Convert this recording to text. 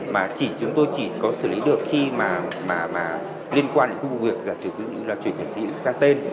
mà chúng tôi chỉ có xử lý được khi mà liên quan đến cái vụ việc giả sử lý là chuyển về xử lý sang tên